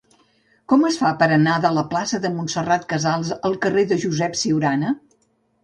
Com es fa per anar de la plaça de Montserrat Casals al carrer de Josep Ciurana?